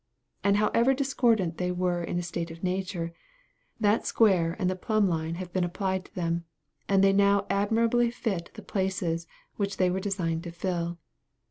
And however discordant they were in a state of nature, the square and the plumb line have been applied to them, and they now admirably fit the places which they were designed to fill.